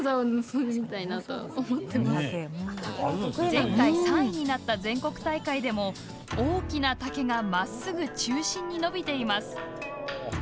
前回３位になった全国大会でも大きな竹がまっすぐ中心に伸びています。